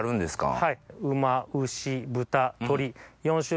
はい。